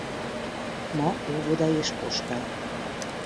Ma óvoda és posta.